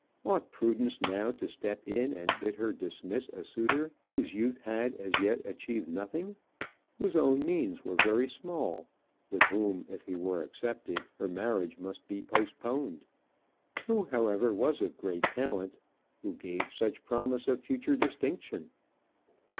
Ought prudence now to step in and bid her dismiss a suitor whose youth had as yet achieved nothing, whose own means were very small, with whom, if he were accepted, her marriage must be postponed; who, however, was of great talent, who gave such promise of future distinction?